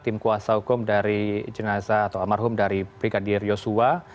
tim kuasa hukum dari jenazah atau almarhum dari brigadir yosua